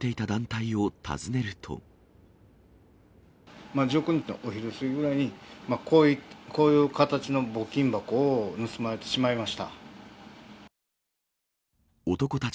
１９日のお昼過ぎぐらいに、こういう形の募金箱を盗まれてしまいました。